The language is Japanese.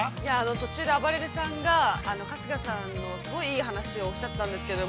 途中であばれるさんが、春日さんのすごい、いい話をおっしゃったんですけど。